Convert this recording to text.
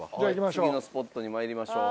次のスポットに参りましょう。